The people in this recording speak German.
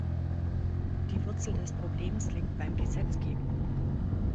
Die Wurzel des Problems liegt beim Gesetzgeber.